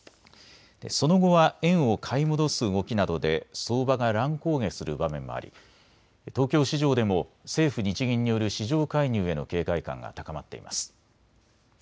その後は円を買い戻す動きなどで相場が乱高下する場面もあり東京市場でも政府・日銀による市場介入への警戒感が高まっています。